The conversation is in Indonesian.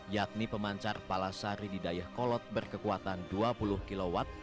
yakni pemancar palasari didayah kolot berkekuatan dua puluh kw